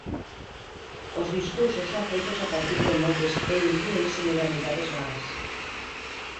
Os discursos son feitos a partir de moldes e inclúen xeneralidades vagas.